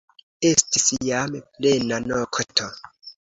Estis jam plena nokto.